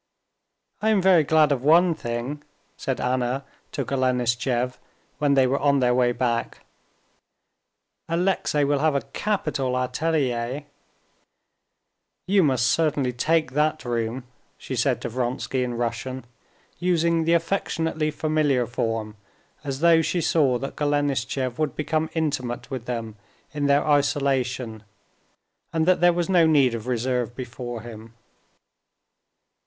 "I am very glad of one thing," said Anna to Golenishtchev when they were on their way back, "Alexey will have a capital atelier. You must certainly take that room," she said to Vronsky in Russian, using the affectionately familiar form as though she saw that Golenishtchev would become intimate with them in their isolation, and that there was no need of reserve before him.